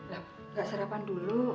enggak sarapan dulu